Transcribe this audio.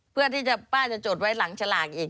เพื่อที่ป้าจะจดไว้หลังฉลากอีก